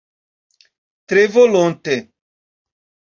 Tre volonte.